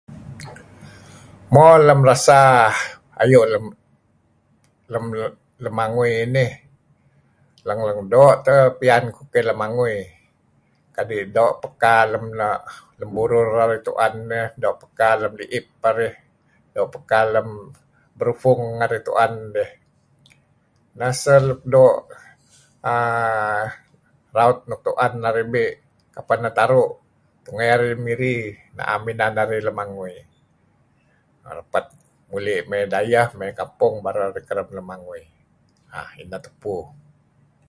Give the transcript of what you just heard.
mo lem rasa ayu lem lem lemangui nih leng leng do teh pian kukeh lemamangui kadi do pelika lem no lem burur narih tu'en ieh do pelika lem li'ep arih do pelika lem berufung narih tu'en dih neh seh nuk do [uan] raut nuk tu'en narih be' kapeh neh taru tu'nge neh narih ngi Miri naam inan narih lemangui rapet muli me' dayeh me' kapung baru arih kereb lemangui um ineh tupu